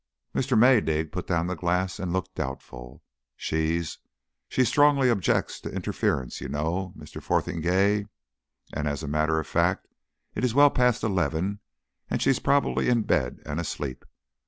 Mr. Maydig put down the glass and looked doubtful. "She's She strongly objects to interference, you know, Mr. Fotheringay. And as a matter of fact it's well past eleven and she's probably in bed and asleep.